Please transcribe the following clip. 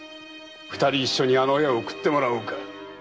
二人一緒にあの世へ送ってもらおうか。